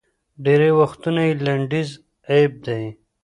ډېری وختونه یې لنډیز اېب دی